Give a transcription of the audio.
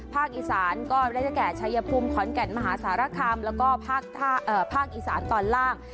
อีสานก็ได้แก่ชัยภูมิขอนแก่นมหาสารคามแล้วก็ภาคอีสานตอนล่าง